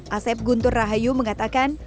asep guntur rahayu mengatakan